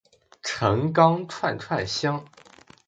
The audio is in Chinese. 陈钢串串香